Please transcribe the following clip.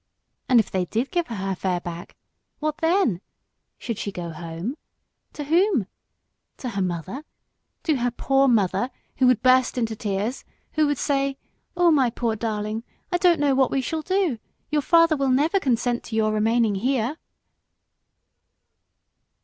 And if they did give her her fare back what then?... Should she go home?... To her mother to her poor mother, who would burst into tears, who would say, "Oh, my poor darling, I don't know what we shall do; your father will never let you stay here."